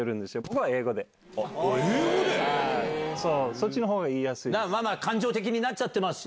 そっちのほうが言いやすいです。